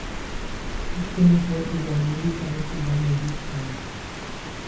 Ursprünglich wollten die beiden Musiker nur zusammen Musik schreiben.